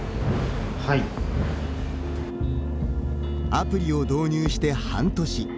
アプリを導入して半年。